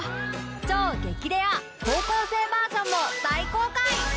超激レア高校生バージョンも大公開！